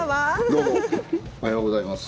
どうもおはようございます。